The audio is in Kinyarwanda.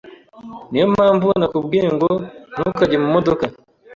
Niyo mpamvu nakubwiye ngo ntukajye mu modoka.